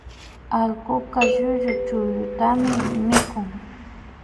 Allkuka llullu chukllutami mikukun